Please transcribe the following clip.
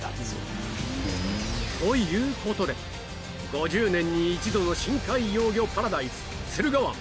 ５０年に一度の深海幼魚パラダイス「駿河湾」